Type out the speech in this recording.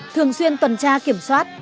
thường xuyên tuần tra kiểm soát